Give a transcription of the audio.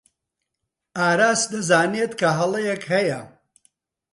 ئاراس دەزانێت کە هەڵەیەک هەیە.